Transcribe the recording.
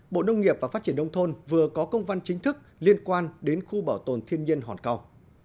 bộ nông nghiệp và phát triển đông thôn vừa có công văn chính thức liên quan đến khu bảo tồn thiên nhiên hòn câu